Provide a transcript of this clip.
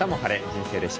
人生レシピ」。